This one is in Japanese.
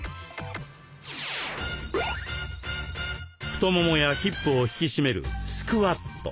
太ももやヒップを引き締めるスクワット。